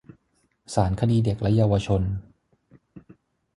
ศาลคดีเด็กและเยาวชน